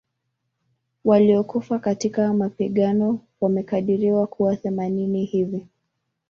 Waliokufa katika mapigano wamekadiriwa kuwa themanini hivi